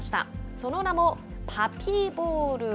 その名も、パピーボウル。